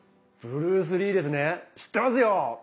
ブルース・リーですね知ってますよ！